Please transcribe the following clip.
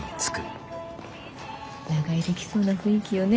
長居できそうな雰囲気よね。